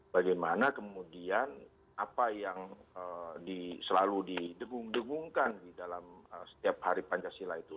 bagaimana kemudian apa yang selalu didegung degungkan di dalam setiap hari pancasila itu